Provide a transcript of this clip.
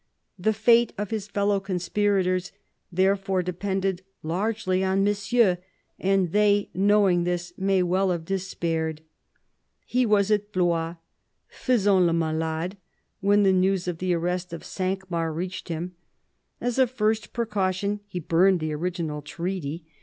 The fate of his fellow conspirators therefore depended largely on Monsieur ; and they, knowing this, may well have despaired. He was at Blois, "faisant le malade," when the news of the arrest of Cinq Mars reached him. As a first pre caution, he burned the original treaty.